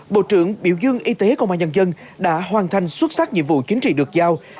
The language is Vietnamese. bộ trưởng biểu dương y tế công an nhân dân đã hoàn thành xuất sắc nhiệm vụ chính trị được giao